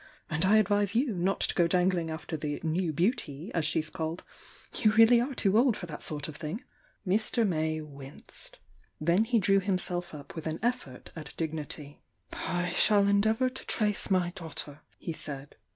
And I advise you not to go dangling after the 'new beauty,' as she's called— you really are too old for that sort of thing!" ,.,, ^u Mr. May winced. Then he drew himself up with an effort at dignity. ,,„,•> "I shall endeavour to trace my daughter, he said.